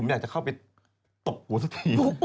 อยากจะเข้าไปตกหัวซะที